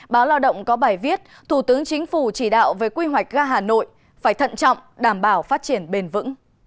báo lao động có bài viết thủ tướng chính phủ chỉ đạo về quy hoạch ga hà nội phải thận trọng đảm bảo phát triển bền vững